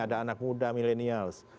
ada anak muda millenials